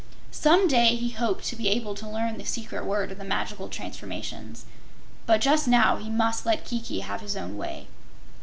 Some day he hoped to be able to learn the secret word of the magical transformations, but just now he must let Kiki have his own way.